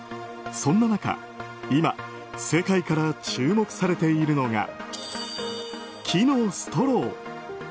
そんな中、今、世界から注目されているのが木のストロー。